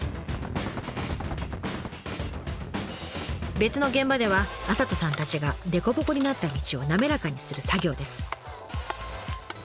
別の現場では麻人さんたちが凸凹になった道を滑らかにする作業です。